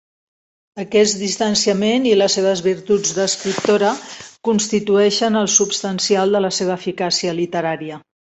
Aquest distanciament, i les seves virtuts d'escriptora, constitueixen el substancial de la seva eficàcia literària.